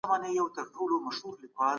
استازي چیري د وینا ازادي تمرینوي؟